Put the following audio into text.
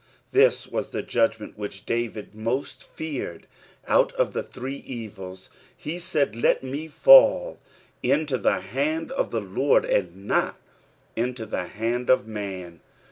This was. the judgment which David most feared out of the three evils ; he said, let me fail into the hand of the Li>rd, and not into tlic hnnd of man.